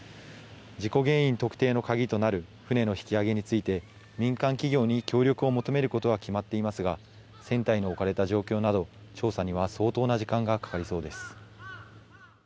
事故原因特定の鍵となる船の引き揚げについて民間企業に協力を求めることは決まっていますが船体の置かれた状況など調査には相当な時間がかかりそうです。